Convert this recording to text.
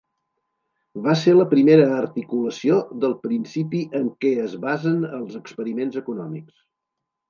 Va ser la primera articulació del principi en què es basen els experiments econòmics.